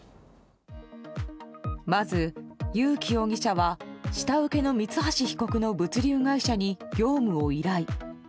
まず、友紀容疑者は下請けの三橋被告の物流会社に業務を依頼。